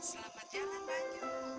selamat jalan banyu